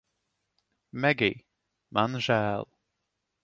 Megij, man žēl